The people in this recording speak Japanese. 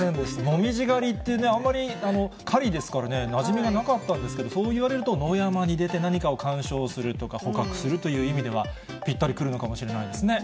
紅葉狩りってあんまり、狩りですからね、なじみがなかったんですけど、そういわれると、野山に出て何かを観賞するとか、捕獲するという意味では、ぴったりくるのかもしれないですね。